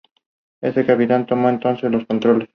El capitán tomó entonces los controles.